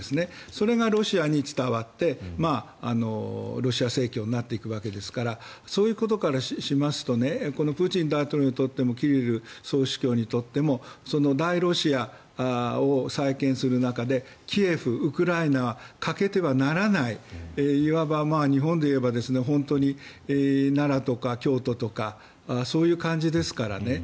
それがロシアに伝わってロシア正教になっていくわけですからそういうことからしますとこのプーチン大統領にとってもキリル総主教にとっても大ロシアを再建する中でキエフ、ウクライナは欠けてはならないいわば日本でいえば本当に奈良とか京都とかそういう感じですからね。